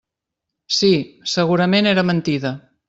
Sí; segurament era mentida.